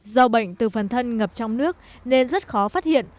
do bệnh từ phần thân ngập trong nước nên rất khó phát hiện